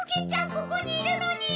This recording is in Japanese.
ここにいるのに！